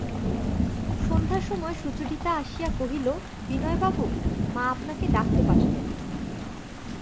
সন্ধ্যার সময় সুচরিতা আসিয়া কহিল, বিনয়বাবু, মা আপনাকে ডাকতে পাঠালেন।